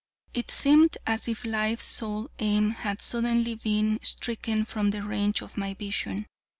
It seemed as if life's sole aim had suddenly been stricken from the range of my vision.